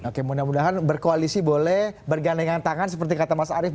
oke mudah mudahan berkoalisi boleh bergandengan tangan seperti kata mas arief